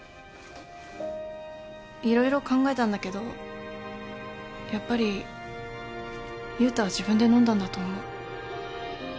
色々考えたんだけどやっぱり悠太は自分で飲んだんだと思う。